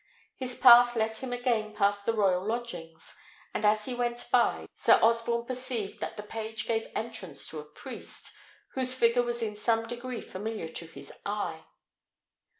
His path led him again past the royal lodgings; and as he went by, Sir Osborne perceived that the page gave entrance to a priest, whose figure was in some degree familiar to his eye.